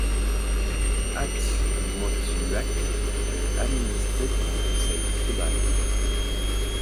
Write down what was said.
Atmautluak est administré par un conseil tribal.